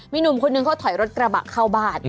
มีหนุ่มคนนึงเขาถอยรถกระบะเข้าบ้าน